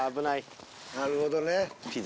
なるほどね。